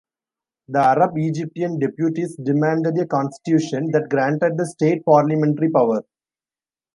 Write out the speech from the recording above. The Arab-Egyptian deputies demanded a constitution that granted the state parliamentary power.